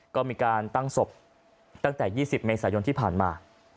ก็มีการตั้งศพตั้งแต่๒๐เมษายนที่ผ่านมา